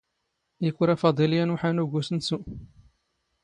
ⵉⴽⵯⵔⴰ ⴼⴰⴹⵉⵍ ⵢⴰⵏ ⵓⵃⴰⵏⵓ ⴳ ⵓⵙⵏⵙⵓ.